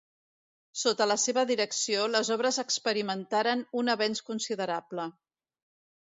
Sota la seva direcció les obres experimentaren un avenç considerable.